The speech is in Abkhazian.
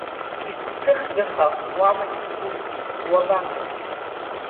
Иԥсҭыхгаха уаман идәықәлеит, уабаго?